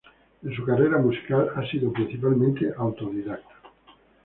En su carrera musical, ha sido principalmente autodidacta.